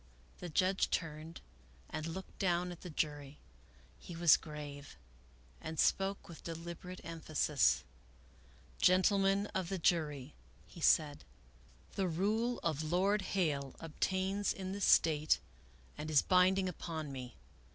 The judge turned and looked down at the jury. He was grave, and spoke with deliberate emphasis. " Gentlemen of the jury," he said, " the rule of Lord Hale 92 Melville Davisson Post obtains in this State and is binding upon me.